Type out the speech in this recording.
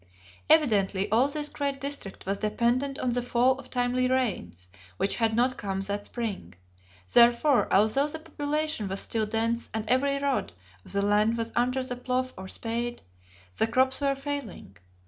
Evidently all this great district was dependent on the fall of timely rains, which had not come that spring. Therefore, although the population was still dense and every rod of the land was under the plough or spade, the crops were failing.